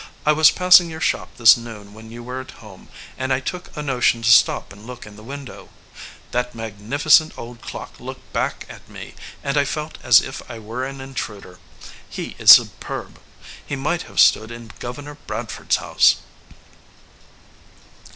"I was passing your shop this noon when you were at home, and I took a notion to stop and look in the window. That magnificent old clock looked back at me, and I felt as if I were 61 EDGEWATER PEOPLE an intruder. He is superb ! He might have stood in Governor Bradford s house."